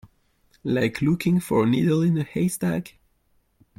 Like looking for a needle in a haystack.